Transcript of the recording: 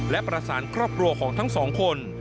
และประสานครอบครัวของทั้งสองคน